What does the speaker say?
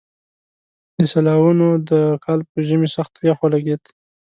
د سېلاوونو د کال په ژمي سخت يخ ولګېد.